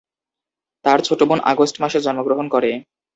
তার ছোট বোন আগস্ট মাসে জন্মগ্রহণ করে।